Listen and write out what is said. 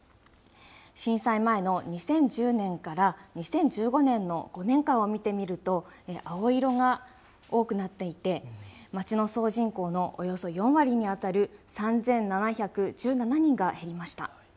震災前の２０１０年から２０１５年の５年間を見てみると、青色が多くなっていて、町の総人口のおよそ４割に当たる３７１７人が減りました。